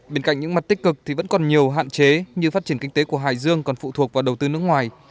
bên cạnh những mặt tích cực thì vẫn còn nhiều hạn chế như phát triển kinh tế của hải dương còn phụ thuộc vào đầu tư nước ngoài